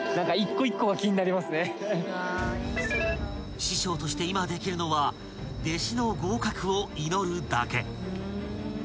［師匠として今できるのは弟子の合格を祈るだけ］